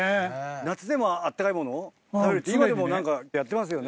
夏でも温かいものを食べるって今でも何かやってますよね。